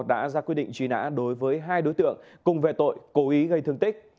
đã ra quyết định truy nã đối với hai đối tượng cùng về tội cố ý gây thương tích